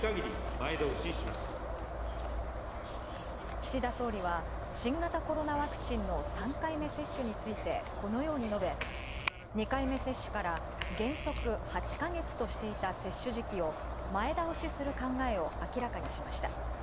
岸田総理は、新型コロナワクチンの３回目接種について、このように述べ、２回目接種から原則８か月としていた接種時期を前倒しする考えを明らかにしました。